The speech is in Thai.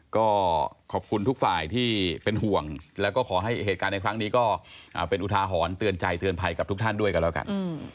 ก็ขอบคุณทุกฝ่ายที่เป็นห่วงแล้วก็ขอให้เหตุการณ์ในครั้งนี้ก็เป็นอุทาหรณ์เตือนใจเตือนภัยกับทุกท่านด้วยกันแล้วกัน